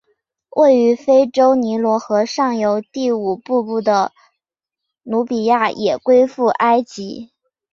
位于非洲尼罗河上游第五瀑布的努比亚也归附埃及。